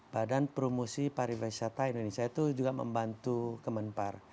badan promosi pariwisata indonesia itu juga membantu kemenpar